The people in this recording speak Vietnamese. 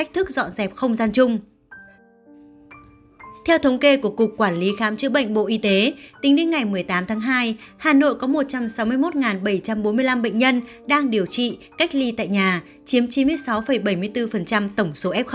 theo thống kê của cục quản lý khám chữa bệnh bộ y tế tính đến ngày một mươi tám tháng hai hà nội có một trăm sáu mươi một bảy trăm bốn mươi năm bệnh nhân đang điều trị cách ly tại nhà chiếm chín mươi sáu bảy mươi bốn tổng số f một